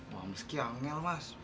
wah meski anggil mas